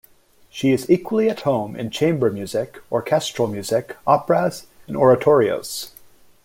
She is equally at home in chamber music, orchestral music, operas, and oratorios.